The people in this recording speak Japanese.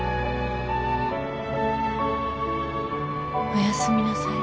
おやすみなさい。